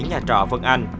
đến nhà trọ vân anh